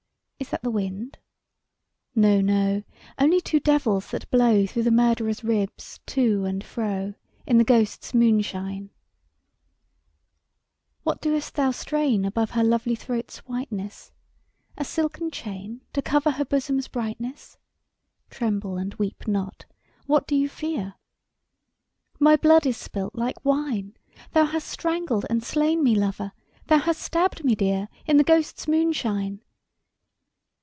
Is that the wind ? No, no ; Only two devils, that blow Through the murderer's ribs to and fro. In the ghosts' moi^ishine. THE GHOSTS* MOONSHINE, 39 III. What dost thou strain above her Lovely throat's whiteness ? A silken chain, to cover Her bosom's brightness ? (Tremble and weep not : what dost thou fear ?)— My blood is spUt like wine, Thou hast strangled and slain me, lover. Thou hast stabbed me dear. In the ghosts' moonshine.